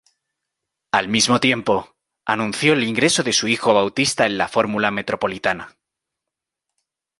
Al mismo tiempo, anunció el ingreso de su hijo Bautista en la Fórmula Metropolitana.